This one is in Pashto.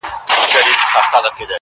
داسي په ماښام سترگي راواړوه_